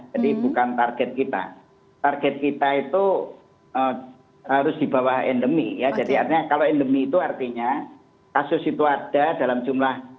jadi artinya kalau endemi itu artinya kasus itu ada dalam jumlah